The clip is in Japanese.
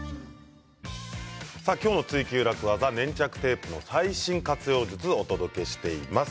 今日の「ツイＱ楽ワザ」は粘着テープの最新活用術をお届けしています。